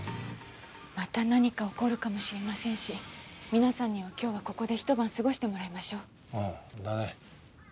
また何か起こるかもしれませんし皆さんには今日はここでひと晩過ごしてもらいましょう。